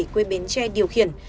quê bến tre điều khiển